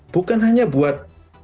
bukan hanya buat